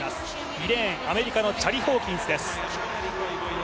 ２レーン、アメリカのチャリ・ホーキンスです。